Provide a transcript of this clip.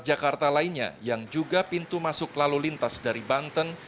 jakarta lainnya yang juga pintu masuk lalu lintas dari banten